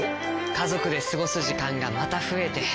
家族で過ごす時間がまた増えて。